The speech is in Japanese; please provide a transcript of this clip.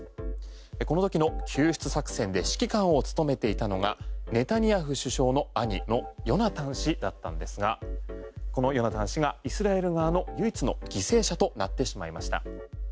このときの救出作戦で指揮官を務めていたのがネタニヤフ首相の兄のヨナタン氏だったんですがこのヨナタン氏がイスラエル側の唯一の犠牲者となってしまいました。